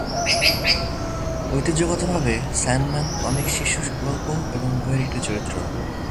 ঐতিহ্যগতভাবে, স্যান্ডম্যান অনেক শিশু গল্প এবং বইয়ের একটি চরিত্র।